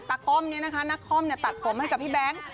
ตัดโค้มนี่นะคะหน้าโค้มตัดผมให้กับพี่แบงค์